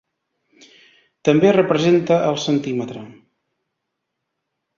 També representa el centímetre.